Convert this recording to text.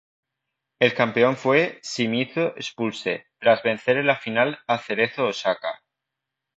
El campeón fue Shimizu S-Pulse, tras vencer en la final a Cerezo Osaka.